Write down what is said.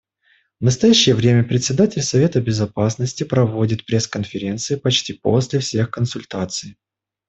В настоящее время Председатель Совета Безопасности проводит пресс-конференции почти после всех консультаций.